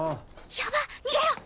やばっ逃げろ！